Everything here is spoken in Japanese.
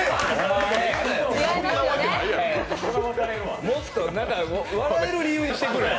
もうちょっと笑える理由にしてくれ。